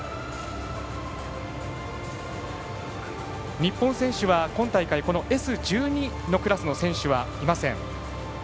日本選手は今大会Ｓ１２のクラスの選手はいません。